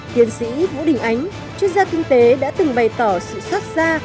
tiến sĩ vũ đình ánh chuyên gia kinh tế đã từng bày tỏ sự xót xa